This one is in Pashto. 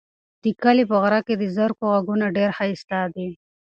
د کلي په غره کې د زرکو غږونه ډېر ښایسته دي.